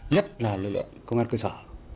nhất là lực lượng công an cơ sở